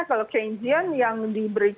kalau keynesian yang diberikan daya